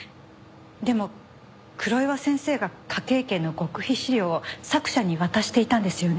でも黒岩先生が科警研の極秘資料を作者に渡していたんですよね？